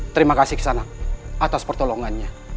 terima kasih kesana atas pertolongannya